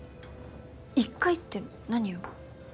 １回って何を？